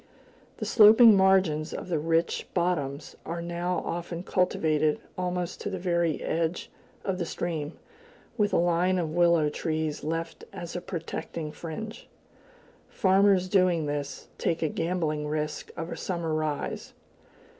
The sloping margins of the rich bottoms are now often cultivated almost to the very edge of the stream, with a line of willow trees left as a protecting fringe. Farmers doing this take a gambling risk of a summer rise.